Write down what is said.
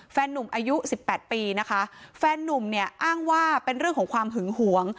แฟนนุ่มอายุสิบแปดปีนะคะแฟนนุ่มเนี่ยอ้างว่าเป็นเรื่องของความหึงหวง